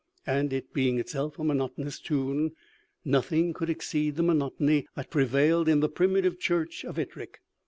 And it being itself a monotonous tune, nothing could exceed the monotony that prevailed in the primitive church of Ettrick.